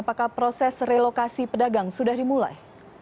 apakah proses relokasi pedagang sudah dimulai